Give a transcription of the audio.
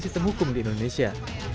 sistem hukum di indonesia